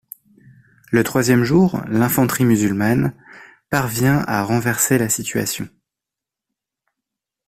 Le troisième jour, l'infanterie musulmane parvient à renverser la situation.